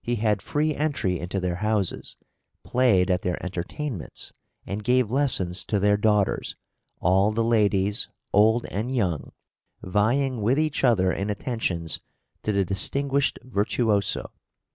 He had free entry into their houses, played at their entertainments, and gave lessons to their daughters, all the ladies, old and young, vying with each other in attentions to the distinguished virtuoso.